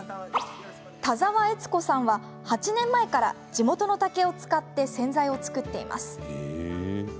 田澤恵津子さんは８年前から地元の竹を使って洗剤を作っています。